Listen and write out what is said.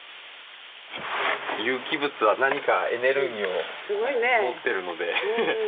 有機物は何か、エネルギーを持っているので。